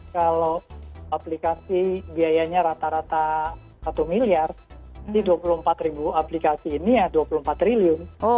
kalau aplikasi biayanya rata rata satu miliar di dua puluh empat ribu aplikasi ini ya dua puluh empat triliun